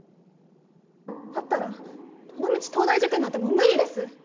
だったらどのみち東大受験なんてもうムリです